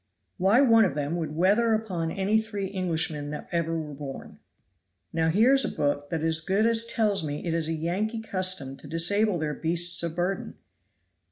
Why one of them would weather upon any three Englishmen that ever were born. Now here is a book that as good as tells me it is a Yankee custom to disable their beasts of burden.